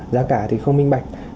giá cả thì không minh bạch